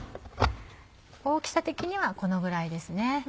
大きさ的にはこのぐらいですね。